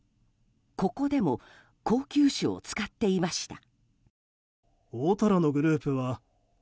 ここでも高級酒を使っていました。